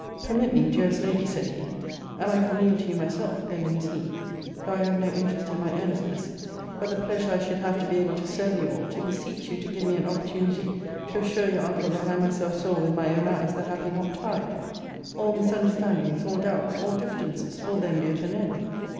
Permit me, dearest lady, said he, and I could kneel to you myself, [bending his knee,] though I have no interest in my earnestness, but the pleasure I should have to be able to serve you all, to beseech you to give me an opportunity to assure your uncle that I myself saw with my own eyes the happy knot tied! All misunderstandings, all doubts, all diffidences, will then be at an end.